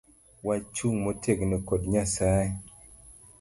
Wachung motegno kod nyasaye